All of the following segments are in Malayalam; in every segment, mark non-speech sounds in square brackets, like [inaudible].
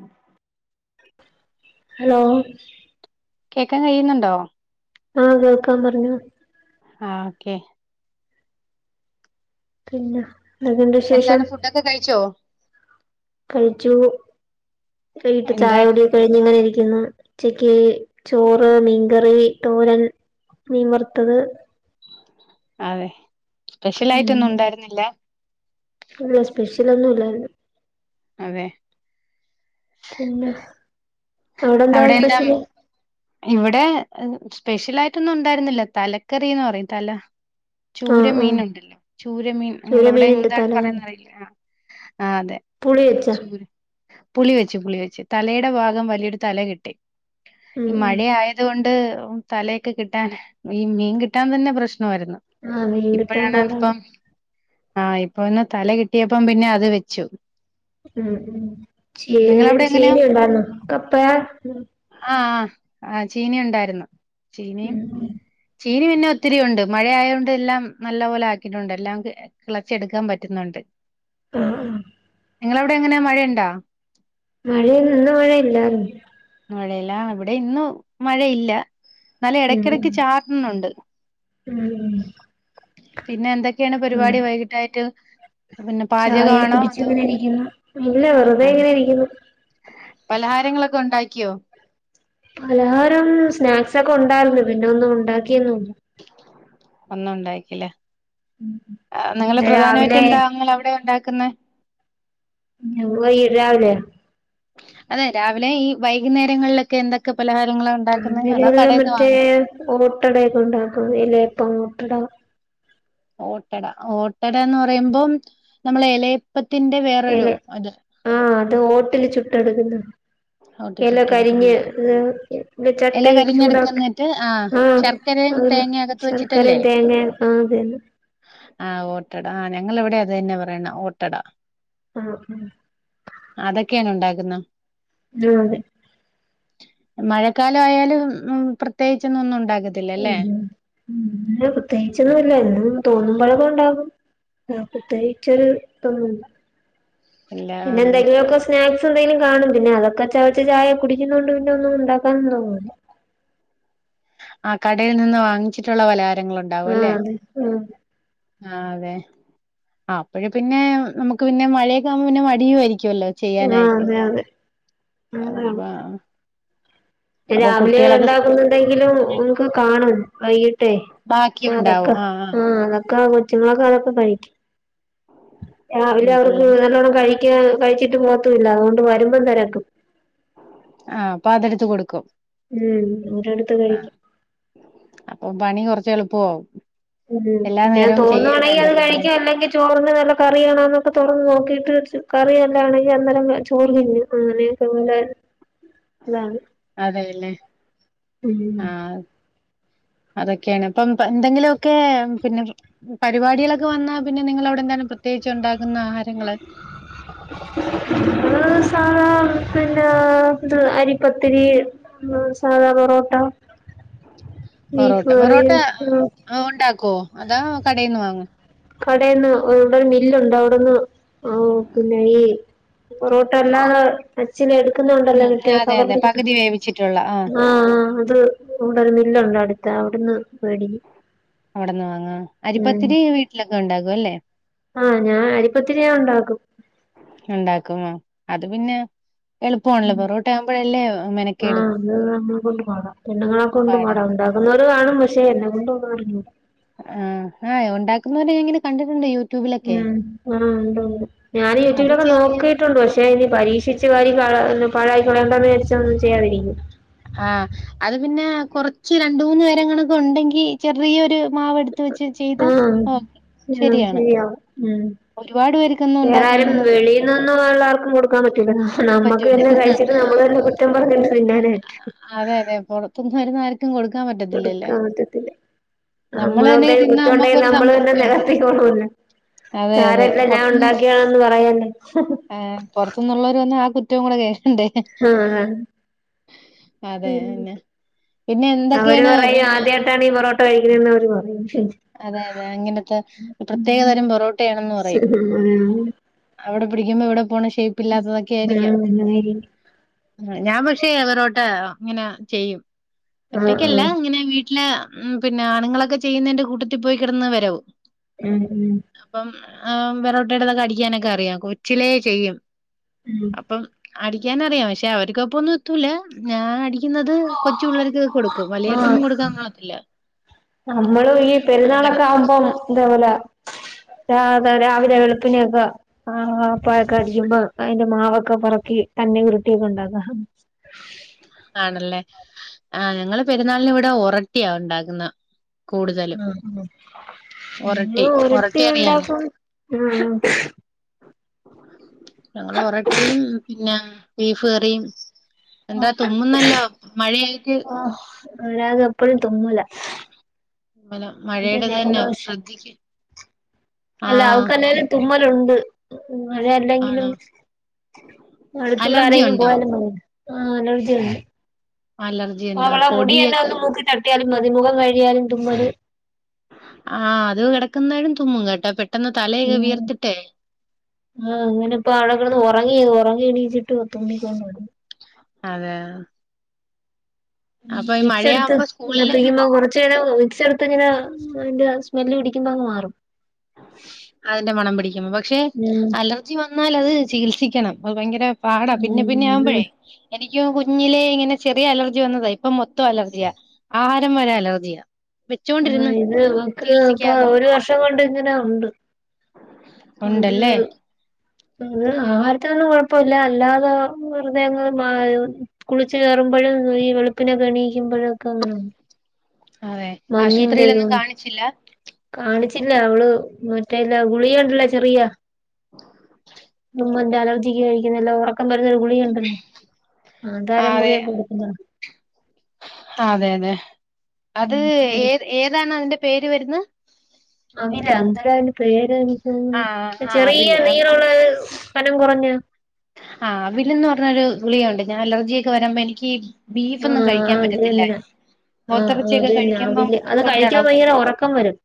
ഉ ഹലോ കേക്കാൻ കയ്യ്ന്ന്ണ്ടോ? ആഹ് കേക്കാം പറഞ്ഞോ. ആഹ് ഓക്കെ. പിന്ന എന്താണ് ഫുഡൊക്കെ കഴ്ച്ചോ? കഴ്ച്ചൂ വൈകീട്ട് ചായ എന്തായിരുന്നു കുടി കഴിഞ്ഞിങ്ങനെ ഇരിക്ക്‌ന്ന് ഉച്ചക്ക് ചോറ് മീൻകറി തോരൻ മീൻ വറ്ത്തത് അതെ ഉം സ്പെഷ്യലായിട്ടൊന്നും ഉണ്ടായിരുന്നില്ല ഇല്ല സ്പെഷ്യല് ഒന്നും ഇല്ലാര്ന്നു അതെ പിന്നെ അവിടെ എന്താ ഇവിടെ സ്പെഷ്യലായിട്ടൊന്നും ഉണ്ടായിരുന്നില്ല തലക്കറീന്ന് പറയും തല ആഹ് ചൂരമീൻ ആഹ് ഉണ്ടല്ലോ ചൂരമീൻ നിങ്ങവിടെ ചൂരമീനുണ്ട് എന്താണ് തല പറയാന്ന്റിയില്ല ആഹ് ആഹ് അതെ പുളി വെച്ചാ ചൂരമീൻ പുളി വെച്ച് പുളി വെച്ച് തലയുടെ ഭാഗം വലിയൊരു തല കിട്ടി ഈ ഉം ഉം മഴയായ അതുകൊണ്ട് തലയൊക്കെ കിട്ടാൻ ഈ മീൻ കിട്ടാൻ തന്നെ പ്രശ്നമായ്രുന്നു ആഹ് മീൻ കിട്ടാൻ ഇപ്പഴാണ് പാടാണ് അത്പ്പം ആഹ് ഇപ്പന്ന് തല കിട്ടിയപ്പം പിന്നെ അത് വെച്ചു ഉം ഉം ചീന് നിങ്ങളവിടെ എങ്ങനെയാ ചീന ഉണ്ടായ്രുന്നു കപ്പാ ആഹ് ആഹ് ആഹ് ചീന ഉണ്ടായ്രുന്നു ഉം ഉം ചീനി പിന്നെ ഒത്തിരി ഒണ്ട് മഴയായോണ്ട് എല്ലാം നല്ല പോലെ ആക്കിയിട്ടൊണ്ട് എല്ലാം കെളച്ചെടുക്കാൻ പറ്റുന്നൊണ്ട് ആഹ് ആഹ് നിങ്ങളെ അവിടെ എങ്ങനെയാ മഴയ്ണ്ടാ? മഴ ഇന്ന് മഴയില്ലായിരുന്നു മഴയില്ലാ ഇവിടെ ഇന്ന് മഴയില്ലാ ഉം ഉം ഉം പിന്നെ എന്തൊക്കെയാണ് പരിപാടി വൈകിട്ടായിട്ട് പിന്നെ ചായ പാചകമാണോ കുടിച്ച് അതോ ഇങ്ങനെ ഇരിക്കുന്നു ഇല്ല വെറുതെ അതെ. ഇങ്ങനെ ഇരിക്കുന്നു പലഹാരങ്ങളൊക്കെ ഒണ്ടാക്കിയോ? പലഹാരം സ്നാക്സൊക്കെ ഒണ്ടായിരുന്നു പിന്നെ ഒന്നും ഒണ്ടാക്കിയൊന്നുല്ലാ ഒന്നും ഒണ്ടാക്കിയില്ലാ ആഹ് നിങ്ങള് ഇന്ന് പ്രധാനായിട്ട് രാവിലെ എന്താ നിങ്ങളവിടെ ഒണ്ടാക്കുന്നെ ഞാ വയ്‌ രാവിലെയോ? അതെ രാവിലെ ഈ വൈകുന്നേരങ്ങളിലൊക്കെ എന്തൊക്കെ പലഹാരങ്ങളാ ഒണ്ടാക്കുന്നെ അതോ ഇന്നലെയുള്ള കടേന്ന് മറ്റേ വാങ്ങോ? ഓട്ടടയൊക്കെ ഒണ്ടാക്കും എലയപ്പം ഓട്ടടാ ഓട്ടട ഓട്ടട എന്ന് പറയുമ്പം നമ്മളെ എലയപ്പത്തിന്റെ വേറൊരു ഇല ഇത് ആഹ് അത് ഓട്ടില് ചുട്ട് എടുക്കുന്നാ [unintelligible] ഓട്ടി ചുട്ട് എടുക്കുന്നത് ഇത് എല ചട്ടി ചൂടാക്കി കരിഞ്ഞെടുക്കുന്നിട്ട് ആഹ് ശർ ക്കരയും ആഹ് തേങ്ങ അകത്ത് വെച്ചിട്ടല്ലേ ശർക്കരയും തേങ്ങയും ആഹ് അതന്നെ ആഹ് ഓട്ടട ആഹ് ഞങ്ങൾ ഇവിടെ അത് തന്നെയാ പറയ്ന്നെ ഓട്ടടാ ആഹ് ആഹ് അതൊക്കെയാണോ ഒണ്ടാക്കുന്നെ ആഹ് അതെ മഴക്കാലവായാലും ഉം പ്രത്യേകിച്ചൊന്നും ഒന്നും ഒണ്ടാക്ക ഉം ഉം ഇല്ലാ പ്രത്യേകിച്ചൊന്നുല്ലാ തോന്നുമ്പഴൊക്കെ ഒണ്ടാക്കും ആഹ് പ്രത്യേകിച്ചൊരു ഇതൊന്നുല്ലാ ഇല്ല പിന്നെ അതെ എന്തെങ്കിലൊക്കെ സ സ്നാക്സ് എന്തങ്കിലും കാണും പിന്നെ അതൊക്കെ ചവച്ച് ചായ കുടിക്കുന്നോണ്ട് പിന്നെ ഒന്നും ഒണ്ടാക്കാനും തോന്നൂല്ലാ ആഹ് കടയി നിന്ന് വാങ്ങിച്ചിട്ടുള്ള പലഹാരങ്ങളൊക് ആഹ് അതെ ആഹ് ആഹ് അതെ ആഹ് അപ്പഴ് പിന്നെ നമ്മക്ക് പിന്നെ മഴയൊക്കെ ആകുമ്പോ പിന്നെ മടിയും ആയിരിക്കുവല്ലോ ആഹ് ചെയ്യാനായിട്ട് അതെ അതെ അതാണ് [unintelligible] അപ്പൊ രാവിലെ കുട്ടികളൊക്കെ സ്കൂള് വിട്ട് വരുന്ന ഒണ്ടാക്കുന്നുണ്ടെങ്കിലും സമയങ്ങളില് നമ്മക്ക് കാണും വൈയ്യിട്ടെ അതൊക്കെ ആഹ് അതൊക്കെ [unintelligible] കൊച്ചുങ്ങളൊക്കെ അതൊക്കെ കഴിക്കും രാവിലെ ഉം അവർക്ക് പുള്ളര് നല്ലോണ്ണം കഴി ക്കാ കഴിച്ചിട്ട് പോവത്തൂ ഇല്ലാ അതുകൊണ്ട് വരുമ്പോ തെരക്കും. ആഹ് അപ്പൊ അതെടുത്ത് കൊടുക്കും. ഉം അതെടുത്ത് ആഹ് കഴിക്കും അപ്പൊ പണി കൊറച്ച് എളുപ്പവാകും. ഉം പിന്നെ അത് തോന്നുവാണെങ്കി അത് വേണ്ടല്ലോ അല്ലേ കഴിക്കും അല്ലെങ്കി ചോറിന്ന് നല്ല കറിയണോന്നൊക്കെ തൊറന്ന് നോക്കീട്ട് കറി നല്ലാണെങ്കി അന്നേരം ചോറ് തിന്നും അങ്ങനെയെക്കെ [unintelligible] അതാണ് അതെല്ലേ ആഹ് അതൊക്കേണ് ഇപ്പം എന്തെങ്കിലൊക്കെ പി പരിപാടികളൊക്കെ വന്നാ പിന്നെ നിങ്ങള് അവിടെന്താണ് പ്രത്യേകിച്ച് ഉണ്ടാക്കുന്ന ആഹാരങ്ങള്? നമ്മള് സാധാ പിന്നെ അരിപ്പത്തിരി. ആഹ് സാധാ പൊറോട്ട ബീഫ് കറി. ഓഹ് ഇണ്ടാക്കൊ അതോ കടേന്ന് വാങ്ങോ? കടേന്ന് ഇവിടെ ഒരു മില്ലുണ്ട് അവിടെന്ന് പിന്നെ ഈ പൊറോട്ട അല്ലാതെ [unintelligible] എടുക്കുന്നണ്ടല്ലോ ഉം മറ്റേ അതെ അതെ [unintelligible] കിട്ടും പകുതി വേവിച്ചിട്ടുള്ള ആഹ് അത് ഇവിടെ ഒരു മില്ലുണ്ട് അടുത്ത് അവിടുന്ന് മേടിക്കും അവിടെന്ന് വാങ്ങോ ഉം അരിപ്പത്തിരി വീട്ടിലൊക്കെണ്ടാക്കും അല്ലേ? ആഹ് ഞാൻ അരിപ്പത്തിരി ഞാൻ ഉണ്ടാക്കും. ഉണ്ടാക്കും അത് പിന്നെ എളുപ്പമാണല്ലോ ഉം പൊറോട്ട ആകുമ്പോഴല്ലേ മെനക്കേട് ആഹ് അത് മ്മളെ കൊണ്ട്പാടാ പെണ്ണുങ്ങളെ കൊണ്ട്പാടാ പാടാണ് ഉണ്ട ക്കുന്നോർ കാണും പക്ഷെ എന്നെ കൊണ്ട് ഒന്നും അറിഞ്ഞൂടാ. ആഹ് ആഹ് ഉണ്ടാക്കുന്നവരെ ഞാൻ ഇങ്ങനെ കണ്ടിട്ടുണ്ടെയ് യു ഉം ആഹ് ഉണ്ട് ണ്ട് ഞാൻ അത് യൂട്യൂബിലൊക്കെ ചെറിയ നോക്കി ട്ടുണ്ട് പക്ഷെ ഇനി പരീക്ഷിച്ച് അരി പഴായി കളയേണ്ടാന്ന് വിചാരിച്ച് ഒന്നും ചെയ്യാതിരിക്കും. ആഹ് അത് പിന്നെ കൊറച്ച് രണ്ട് മൂന്ന് പേരങ്ങാണൊക്കെ ഉണ്ടെങ്കി ചെറിയൊരു മാവ് എടുത്ത് വെച്ച് ചെയ്ത ആഹ് ഓകേ ശരിയാണ്. [unintelligible] ഉം ഒരുപാട് പേർക്കൊന്നും ഉണ്ടാക്കാനൊന്നും ആഹ് എല്ലാർക്കും കൊടുക്കാൻ പറ്റൂല്ല പറ്റൂല നമ്മക്കന്നെ കഴിച്ചിട്ട് നമ്മളന്നെ കുറ്റം പറഞ്ഞിട്ട് തിന്നാനെ പറ്റു. അതെ അതെ പുറത്തുന്ന് വരുന്ന ആരും കൊടുക്കാൻ പറ്റത്തില്ല. നമ്മള് തന്നെ എന്തേലും തിന്നാ കുറ്റം ഉണ്ടെങ്കി നമ്മക്കൊരു നമ്മളന്നെ സംതൃപ്തിയുണ്ട് നികത്തിക്കോളോലൊ അതെ അതെ കാരക്ക ഞാൻ ഉണ്ടാക്കിയാന്ന് പറയല്ലേ ആഹ് പുറത്തുന്നുള്ളവർ വന്ന ആ കുറ്റം കൂടെ കേക്കണ്ടേ. ആഹ് അതെന്നെ പിന്നെ എന്തൊക്കെണ്? ആദ്യയിട്ടാണ് ഈ പൊറോട്ട കഴിക്കണന്ന് അവര് പറയും അതെ അതെ അങ്ങനത്തെ പ്രത്യേകതരം പൊറോട്ടയാണെന്ന് പറയും. ഉം അവിടെ പിടിക്കുമ്പോ ഇവിടെ പോണ ഷേപ്പ് ഇല്ലാത്തതൊക്കെ ആയിരിക്കാം. ഞാൻ പക്ഷെ പൊറോട്ട ഇങ്ങനെ ചെയ്യും ആഹ് ആഹ് ആഹ് ഒറ്റക്കല്ല ഇങ്ങനെ വീ ട്ടില് പിന്നെ ആണുങ്ങളൊക്കെ ചെയ്യുന്നതിന്റെ കൂട്ടത്തി പോയി കിടന്ന് വെരകും. ഉം ഉം അപ്പം ആഹ് വെറോട്ടേത് ഒക്കേ അടിക്കാനൊക്കെ അറിയാം കൊച്ചിലേ ചെയ്യും. ഉം അപ്പം അടിക്കാനറിയാം പക്ഷെ അവർക്കൊപ്പൊന്നും എത്തൂല ഞാൻ അടി ക്കുന്നത് കൊച്ചു പിള്ളേർക്ക് കൊടുക്കും ആഹ് വലിയവർക്കൊന്നും കൊടുക്കാൻ കാണത്തില്ല നമ്മളും ഈ പെരുന്നാളൊക്കെ അങ്ങനത്തെ ആകുമ്പം ഇതെ പോലെ ര രാവിലെ വെളുപ്പിനൊക്കെ ആഹ് പഴൊക്കെ അടിക്കുമ്പോ അയിന്റെ മാവൊക്കെ പൊറക്കി തന്നെ ഉരുട്ടിയൊക്കെ ഉണ്ടാക്കും ആണല്ലേ ആഹ് ഞങ്ങള് പെരുന്നാളിന് ഇവിടെ ഉറട്ടിയാ ഉണ്ടാക്കുന്നെ ആ ഒറട്ടി നിങ്ങള് ഉറട്ടി ഒറട്ടി അറിയാലോ ഉണ്ടാക്കും ഞങ്ങള് ഉറട്ടിയും പിന്നെ ബീഫ് കറിം എന്താ തുമ്മുന്നല്ലോ മഴായിട്ട് അല്ലാതെ എപ്പഴും തുമ്മല വല്ല മഴയെടെ തന്നെയാവും ജലദോഷ ശ്രദ്ധിക്ക് അല്ല ആഹ് അവക്ക് അല്ലേലും ഇവിടെ തുമ്മലുണ്ട് മഴ അല്ലെങ്കിലും ആണോ അടുത്തൂടെ അലർജി ആരെങ്കിലും ഉണ്ടോ പോയാലും മതി ആഹ് അലർജിയുണ്ട് മലർ അവളെ മുടി എന്നെ വന്ന് മൂക്ക് തട്ടിയാലും മതി മുഖം കഴികിയാലും തുമ്മല് ആഹ് അത് കെടക്കുന്നാലും തുമ്മും കേട്ടോ പെട്ടെന്ന് തലയൊക്കെ ഉം വിയർത്തിട്ടെ ആഹ് അങ്ങനെപ്പൊ അവിടെ കെടന്ന് ഉറങ്ങി ഉറങ്ങി എണീച്ചിട്ട് [unintelligible] അതെ അതെ വിക്സ് എടുത്ത് മഴയാകുമ്പോ സ്കൂളിലൊന്നും അപ്പഴേക്കും കൊറച്ച് നേരം വിക്സ് എടു അപ്പ ഇങ്ങനെ അതിന്റെ സ്മെല് ഇടിക്കുമ്പോ അങ്ങ് മാറും അതിന്റെ മണം പിടിക്കിമ്പോ പക്ഷെ ഉം അലർജി വന്നാൽ അത് ചികിത്സിക്കണം അത് ഭയങ്കര- പാടാ പിന്നെ ഉം പിന്നെ ഇത് ആവുമ്പോഴേ- എനിക്കും കുഞ്ഞിലെ ഇങ്ങനെ ചെറിയ അലർജി വന്നതാ ഇപ്പൊ മൊത്തം അലർജിയാ ആഹാരം വരെ അലർജിയാ ആ വെച്ചോണ്ടിരുന്ന് ഇത് ഇവക്ക് ഇപ്പൊ ചികിത്സിക്കാതെ ഒരു വർഷം കൊണ്ട് ഇങ്ങനെ ഒണ്ട് [inaudible] അത് അത് ആഹാരത്തിലൊന്നും കൊഴപ്പവില്ല അല്ലാതെ വെറുതെ അങ്ങ് മാ കുളിച്ച് കേറുമ്പോഴ് ഈ വെളുപ്പിനൊക്കെ എണീക്കുമ്പോഴൊക്കെ അങ്ങനെയുണ്ട് അതെ ആശുപത്രിയിലൊന്നും ഇതുകൊണ്ട് കാണിച്ചില്ല കാണിച്ചില്ല അവള് മറ്റേ ഇല്ല ഗുളികയുണ്ടല്ലോ ചെറിയെ - [inaudible] തുമ്മലിന്റെ അലർജിക്ക് കഴിക്കുന്നല്ലോ ഉറക്കം വരുന്ന ഒരു ഗുളിയുണ്ട് തന്നെ അത് ആ, അര അതെ മുറിയൊക്കെ കൊടുക്കുമ്പോ അത് തന്നെ അത് ഉം ഏ ഏതാണ് അതിന്റെ പേര് വരുന്നത് അവിലോ അന്തരോ അതിന്റെ പേര് എനിക്കും ആഹ് ആഹ് അവില് ചെറിയ നീളമുള്ള ഒരു - കനം കൊറഞ്ഞ ആഹ് അവിലന്ന് പറഞ്ഞൊരു ഗുളിയുണ്ട് ഞാൻ അലർജിയൊക്കെ വരുമ്പോ എനിക്ക്- ബീഫൊന്നും ആഹ് കഴിക്കാൻ അത് തന്നെ പറ്റത്തില്ലായിരുന്നു ആഹ് ആഹ് പോത്തറച്ചിയൊക്കെ അത് തന്നെ കഴിക്കുമ്പം അവില് അത് കൊണ്ട [unintelligible] കഴിക്കാൻ ടും ഭയങ്കര ഉറക്കം വരും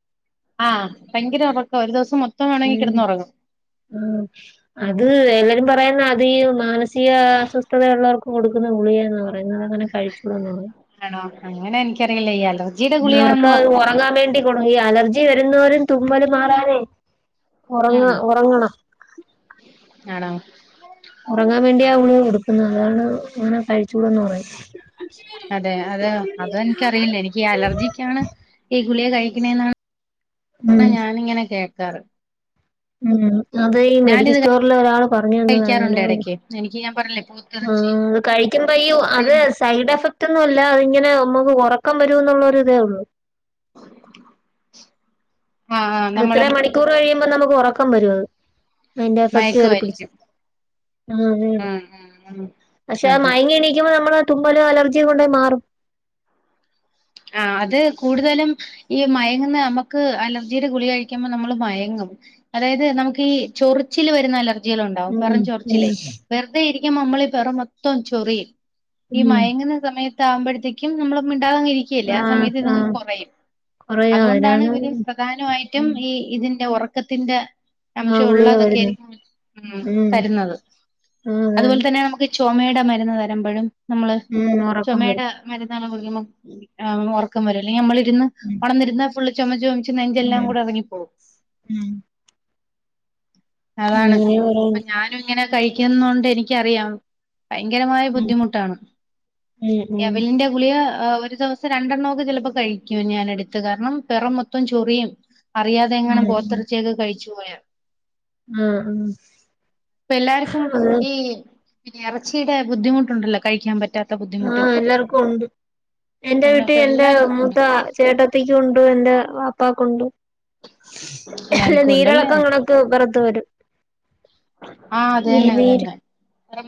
ആഹ് ഭയങ്കര ഒറക്കവാ ഒരു ദിവസം മൊത്തം വേണങ്കി ഉം കെടന്ന് ഒറങ്ങും ആഹ് അത് എല്ലാരും പറയുന്ന അത് ഈ മാനസിക അസ്വസ്ഥതയുള്ളോർക്ക് കൊടുക്കുന്ന ഗുളികയെന്ന് പറ പറയുന്നത് അങ്ങനെ കഴിച്ചൂടാന്ന് പറയും ആണോ അങ്ങനെ എനിക്കറിയില്ല [unintelligible] ലോ അവർക്ക് അങ്ങ് ഒറങ്ങാൻ വേണ്ടി ഈ അലർജി വരുന്നോരും തുമ്മല് മാറാനെ ഒറങ്ങ ഉം ഒറങ്ങണം ആണോ ഒറങ്ങാൻ ആ, വേണ്ടിയ അവള് കൊടുക്കുന്ന അതാണ് അങ്ങനെ കഴിച്ചൂടന്ന് പറയും അതെ അതെയോ അത് എനിക്ക് അറിയില്ല എനിക്ക് അലർജിക്കാണ് ഈ ഗുളിയ കഴിക്കണെന്ന് - ഉം ആ ഞാന് ഇങ്ങനെ കേക്കാറ് ഉം അത് ഈ മെഡിക്കൽ ഞാനിത് സ്റ്റോറില ഒരാള് പറഞ്ഞു തന്നത കഴിക്കാറുണ്ട് അങ്ങനെ ഇടയ്ക്ക് എനിക്ക് ഞാൻ പറഞ്ഞില്ലേ പോത്തിറച്ചി ആഹ് അത് കയിക്കുമ്പോ അയ്യോ അത് സ് സൈഡ് എഫക്ട് ഒന്നും ഇല്ല അത് ഇങ്ങനെ നമ്മക്ക് ഒറക്കം വരൂ എന്നുള്ള ഒരു ഇതേ ഒള്ളൂ ആഹ് ആഹ് നമ്മള് ഇത്ര മണിക്കൂർ കഴിയുമ്പോ നമുക്ക് ഒറക്കം വരുവരും അത് അയിന്റെ എഫക്ട് കേറി പിടിച്ച് മയക്കുമായിരിക്കും ഉം ഉം ഉം [inaudible] പക്ഷെ അതെ മയങ്ങി എണീക്കുമ്പോ നമ്മള് തുമ്പലും അലർജിക്കെ ഉണ്ടെമാറും ആഹ് അത് കൂടുതലും ഈ മയങ്ങുന്ന അമ്മക്ക് അലർജിയുടെ ഗുളി കഴിക്കുമ്പോ നമ്മള് മയങ്ങും അതായത് നമുക്ക് ഈ ചൊറിച്ചില് വരുന്ന അലർജികള് ഒണ്ടാവും ഉം പൊറം ചൊറിച്ചിലേ ഉം വെറുതെ ഇരിക്കുമ്പോ നമ്മള് ഈ പൊറം മൊത്തം ചൊറിയും ഈ ഉം മയങ്ങുന്ന സമയം ഇത് ആകുമ്പഴത്തേക്കും നമ്മള് മിണ്ടാങ്ങിരി ക്കല്ലേ ആ ആഹ് സമയത്ത് ഇത് അങ്ങ് ആഹ് കൊറയും കൊറയും അത് കൊണ്ട് ആണ് അതിനാണ് ഇവര് പ്രധാനായിട്ടും ഈ ഇതിന്റെ ഒറക്കത്തിന്റെ ആ അംശം ഗുളിക ഒള്ളത് ഒക്കെ മരുന്ന് എയിരിക്കും ഉ ഉം തരുന്നത് ആ അത് അതാണ് പോലെ തന്നെ നമക്ക് ചോമേടെ മരുന്ന് തരമ്പഴും നമ്മള് ഉം ഉറക്കം വരും ചോമേടെ മരുന്ന് എല്ലാം കുടിക്കുമ്പോ ആ ഒറക്കം വെരുവല്ലേ ഞമ്മളി ഇരുന്ന് ഉം ഒണന്ന് ഇരുന്ന ഫുള്ള് ചോമച്ച് ചോമച്ച് നെഞ്ച് എല്ലാം ഉം അങ്ങോട്ട്‌ എറങ്ങി പൊവും ഉം അതാണ് അങ്ങനെ അപ്പ ഓരോന്ന് ഞാനും ഇങ്ങനെ കഴിക്കുന്ന കൊണ്ട് എനിക്ക് അറിയാം ഭയങ്കരമായ ഉം ബുദ്ധിമുട്ട് ആണ് ഉം ഉം എവലിന്റെ ഗുളിയ ഒരു ദിവസം രണ്ടെണ്ണം ഒക്കെ ചെലപ്പോ കഴിക്കും ഞാൻ എടുത്ത് കാരണം പെറം മൊത്തം ചൊറിയും അറിയാതെ എങ്ങാനും ഉം പോത്ത് ഉം എറച്ചി ഒക്കെ കഴിച്ചു പോയാ ആഹ് അഹ് ഇപ്പ എല്ലാർക്കും ഈ പിന്നെ എറച്ചിടെ ബുദ്ധിമുട്ട് ഒണ്ടല്ലോ കഴിക്കാൻ പറ്റാ ആഹ് എല്ലാർക്കും ഒണ്ട് എന്റെ അല്ല വീട്ടി ഇപ്പൊ എന്റെ എല്ലാർക്കും ഉണ്ട് മൂത്ത ചേട്ട ൻ ഒണ്ട് എന്റെ പപ്പക്ക് ഒണ്ട് അല്ല എല്ലാർക്കും ഉണ്ടല്ലേ നീരിളക്കാണ് പൊറത്ത് വരും ആഹ് അത നീ തന്നെ അത നീര് തന്നെ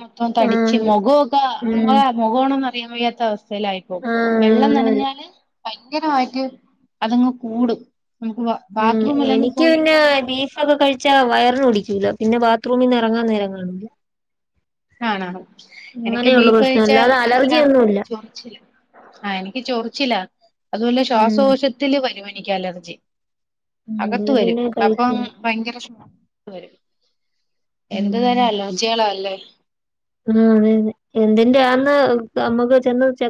മൊത്തം തടിച്ച് ആഹ് മൊഖം ഒക്കെ ഉം നമ്മടെ മോഖോണോ എന്ന് അറിയാൻ വയ്യാത്ത അവസ്ഥയില് ആയിപ്പോവും ആഹ് അങ്ങനെ വെള്ളം വരും നനഞ്ഞാല് ഭയങ്കരായിട്ട് അതങ്ങ് കൂടും മുറിവ് മം എനിക്ക് പിന്നെ ബിഫ് അത് ഒക്കെ കഴിച്ചാ വയറിന് പിടിക്കൂല പിന്നെ ബാത്റൂമിന് ഇറങ്ങാൻ നേരം കാണുല്ല ആണോ എനിക്ക് അങ്ങനെയുള്ള ബീഫ് പ്രശ്നം കഴിച്ച അല്ലാതെ ഇത് പോലെ അലർജിയൊന്നുല്ല ചൊറി ആഹ് എനിക്ക് ചോറിച്ചിലാ അത് പോലെ ഉം ശ്വാസകോശ ത്തില് വരും എനിക്ക് അലർജി അകത്ത് അങ്ങനെ വെരും പിന്നെ അപ്പം കഴിക്കില്ല ഭയങ്കര [inaudible] വരും എന്ത് ഉം തരം അലർജികള് ആ അല്ലേ ആഹ് അതെ അതെ എന്തിന്റെ ആന്ന് നമ്മക്ക് ചെന്ന് ചെ